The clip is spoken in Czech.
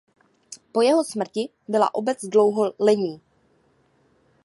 Po jeho smrti byla obec dlouho lenní.